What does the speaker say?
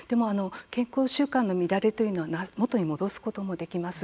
健康習慣の乱れというのは戻すことができます。